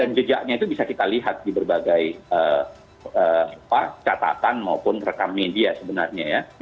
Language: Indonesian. dan jejaknya itu bisa kita lihat di berbagai catatan maupun rekam media sebenarnya ya